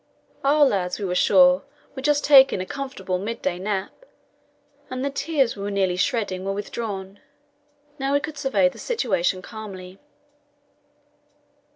Our lads, we were sure, were just taking a comfortable midday nap, and the tears we were nearly shedding were withdrawn. Now we could survey the situation calmly.